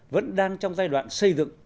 vẫn đang trong giai đoạn xây dựng